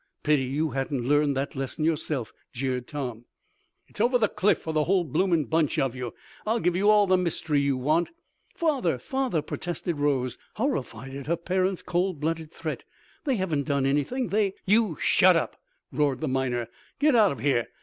"Pity you hadn't learned that lesson yourself," jeered Tom. "It's over the cliff for the whole blooming bunch of you. I'll give you all the mystery you want." "Father, father," protested Rose, horrified at her parent's cold blooded threat. "They haven't done anything. They " "You shut up!" roared the miner. "Get out of here!